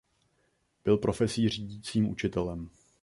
Byl profesí řídícím učitelem.